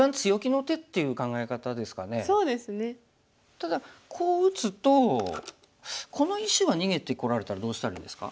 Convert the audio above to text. ただこう打つとこの石は逃げてこられたらどうしたらいいですか？